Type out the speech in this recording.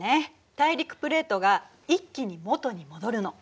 大陸プレートが一気に元に戻るの。